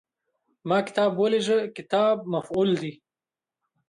ما کتاب ولېږه – "کتاب" مفعول دی.